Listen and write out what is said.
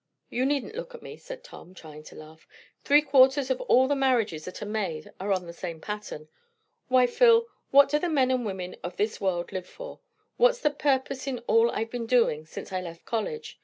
You needn't look at me," said Tom, trying to laugh. "Three quarters of all the marriages that are made are on the same pattern. Why, Phil, what do the men and women of this world live for? What's the purpose in all I've been doing since I left college?